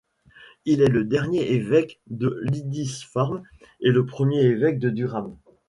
Il est le dernier évêque de Lindisfarne et le premier évêque de Durham.